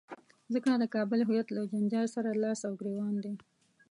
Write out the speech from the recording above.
ځکه د کابل هویت له جنجال سره لاس او ګرېوان دی.